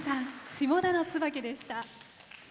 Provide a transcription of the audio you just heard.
「下田の椿」でした。